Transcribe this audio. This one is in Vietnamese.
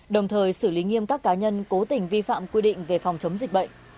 đồng thời xử lý nghiêm các cá nhân cố tình vi phạm quy định về phòng chống dịch bệnh